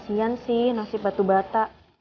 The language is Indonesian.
sebenernya emang kasian sih nasib batu bata